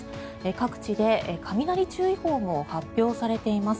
各地で雷注意報も発表されています。